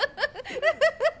フフフ。